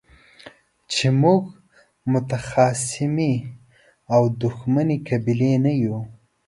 چې موږ متخاصمې او دښمنې قبيلې نه يو.